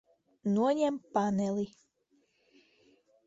Noņem paneli.